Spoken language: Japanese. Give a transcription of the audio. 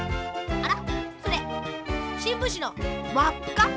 あら。